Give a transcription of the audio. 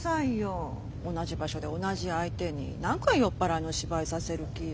同じ場所で同じ相手に何回酔っ払いの芝居させる気よ。